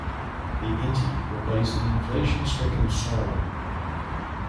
The inti replaced the inflation-stricken sol.